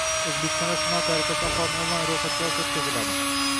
O‘zbekistonda sinov tariqasida aholini onlayn ro‘yxatga olish o‘tkazilading